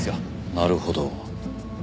なるほど。